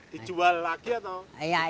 dijual lagi atau